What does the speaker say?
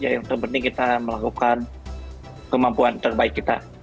yang terpenting kita melakukan kemampuan terbaik kita